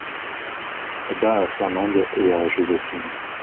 Bas à Fernande et à Joséphine.